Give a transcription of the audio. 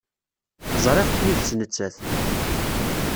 Ẓriɣ-k yid-s nettat.